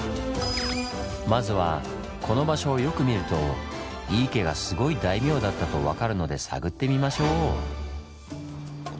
まずはこの場所をよく見ると井伊家がすごい大名だったと分かるので探ってみましょう！